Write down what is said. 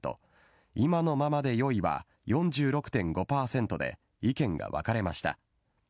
今のままでよいは４６．５％で意見が分かれました。